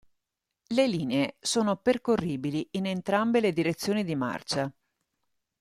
Le linee sono percorribili in entrambe le direzioni di marcia.